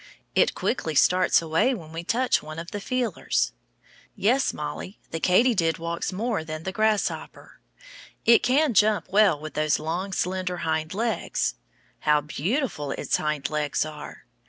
It quickly starts away when we touch one of the feelers. Yes, Mollie, the katydid walks more than the grasshopper. It can jump well with those long, slender hind legs. How beautiful its hind legs are!